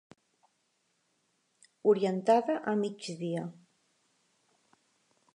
Orientada a migdia.